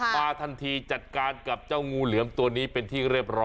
มาทันทีจัดการกับเจ้างูเหลือมตัวนี้เป็นที่เรียบร้อย